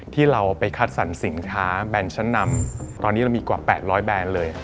ที่เราไปคัดสรรสินค้าแบรนด์ชั้นนำตอนนี้เรามีกว่า๘๐๐แบรนด์เลย